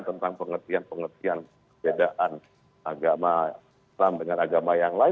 tentang pengertian pengertian bedaan agama islam dengan agama yang lain